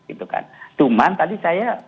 itu kan cuman tadi saya